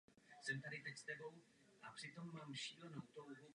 Odpovídá přibližně stejnojmenné regionální jednotce v kraji Západní Řecko.